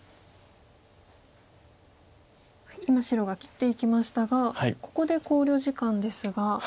今白が切っていきましたがここで考慮時間ですが。